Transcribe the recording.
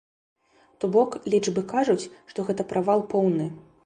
То бок лічбы кажуць, што гэта правал поўны.